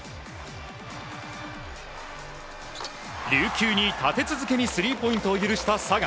琉球に立て続けにスリーポイントを許した佐賀。